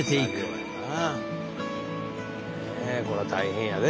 ねえこれは大変やで。